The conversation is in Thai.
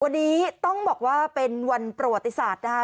วันนี้ต้องบอกว่าเป็นวันประวัติศาสตร์นะคะ